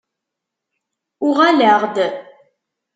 Uɣaleɣ-d.